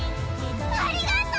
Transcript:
ありがとう！